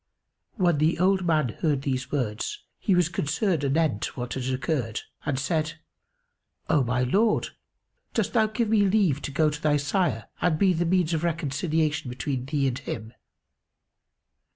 When the old man heard these words he was concerned anent what had occurred and said, "O my lord, dost thou give me leave to go to thy sire and be the means of reconciliation between thee and him?"